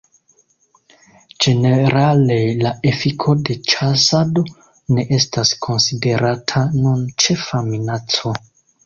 Ĝenerale la efiko de ĉasado ne estas konsiderata nun ĉefa minaco.